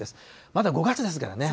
まだ５月ですからね。